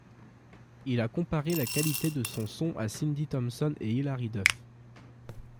Il a comparé la qualité de son son à Cyndi Thomson et Hilary Duff.